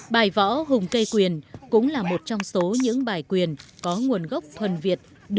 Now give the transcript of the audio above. bài võ hùng cây quyền cũng là một trong số những bài quyền có nguồn gốc thuần việt